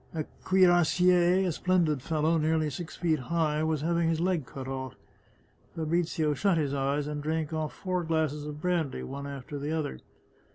A cuirassier, a splendid fellow, nearly six feet high, was having his leg cut off. Fabrizio shut his eyes and drank off four glasses of brandy one after the other.